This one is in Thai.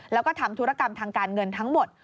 แล้วก็ทำธุรกรรมทางการเงินทั้งหมด